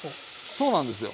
そうなんですよ。